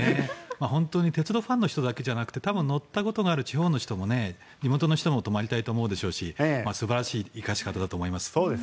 本当に鉄道ファンの人だけじゃなくて乗ったことがある地方の人や地元の人も泊まりたいでしょうし素晴らしい生かし方だと思います。